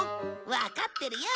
わかってるよ！